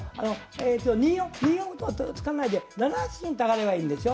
えと２四歩と突かないで７八金と上がればいいんでしょ？